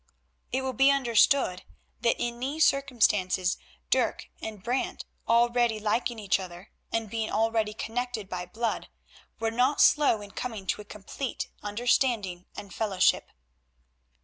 It will be understood that in these circumstances Dirk and Brant, already liking each other, and being already connected by blood, were not slow in coming to a complete understanding and fellowship.